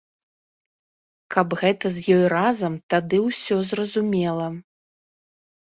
Каб гэта з ёй разам, тады ўсё зразумела.